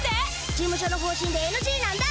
事務所の方針でＮＧなんだ！